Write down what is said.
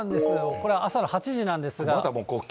これ、朝の８時なんですが。